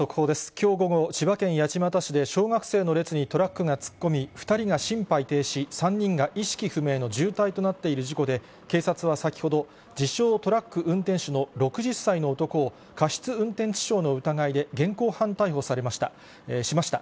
きょう午後、千葉県八街市で小学生の列にトラックが突っ込み、２人が心肺停止、３人が意識不明の重体となっている事故で、警察は先ほど、自称トラック運転手の６０歳の男を、過失運転致傷の疑いで現行犯逮捕しました。